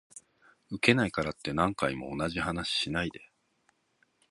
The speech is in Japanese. ウケないからって何回も同じ話しないで